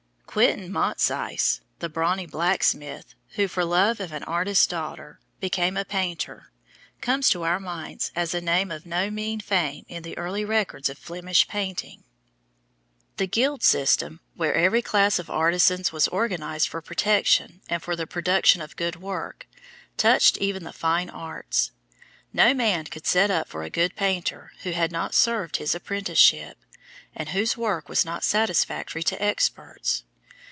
Quentin Matsys, the brawny blacksmith, who, for love of an artist's daughter, became a painter, comes to our minds as a name of no mean fame in the early records of Flemish painting. [Illustration: HELEN FOURMONT, RUBENS' SECOND WIFE, AND YOUNGEST SON Rubens] The guild system, where every class of artisans was organized for protection and for the production of good work, touched even the fine arts. No man could set up for a good painter who had not served his apprenticeship, and whose work was not satisfactory to experts.